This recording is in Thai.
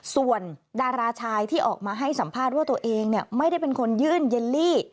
ส่วนดาราชายที่ออกมาให้สัมภาษณ์ว่าตัวเองไม่ได้เป็นคนยื่นเยลลี่